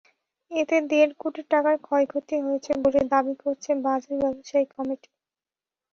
এতে দেড় কোটি টাকার ক্ষয়ক্ষতি হয়েছে বলে দাবি করেছে বাজার ব্যবসায়ী কমিটি।